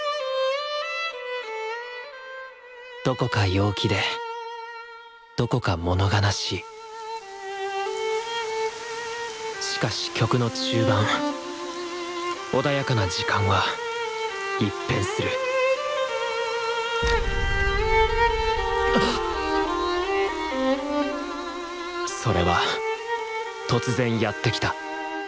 どこか陽気でどこかもの悲しいしかし曲の中盤おだやかな時間は一変するそれは突然やってきた。